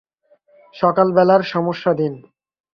আপনাদেরও কি এই রকম হয়?